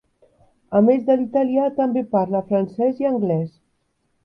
A més de l'italià, també parla francès i anglès.